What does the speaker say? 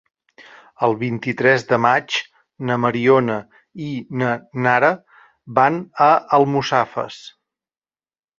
El vint-i-tres de maig na Mariona i na Nara van a Almussafes.